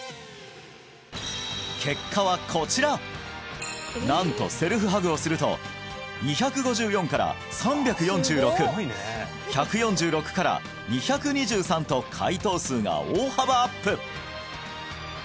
結果はこちらなんとセルフハグをすると２５４から３４６１４６から２２３と解答数が大幅アップ